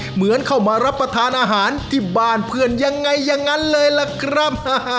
เหมือนเข้ามารับประทานอาหารที่บ้านเพื่อนยังไงอย่างนั้นเลยล่ะครับ